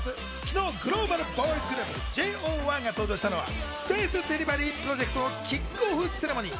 昨日、グローバルボーイズグループ、ＪＯ１が登場したのはスペースデリバリープロジェクトのキックオフセレモニー。